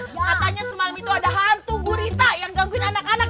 katanya semalam itu ada hantu gurita yang gangguin anak anak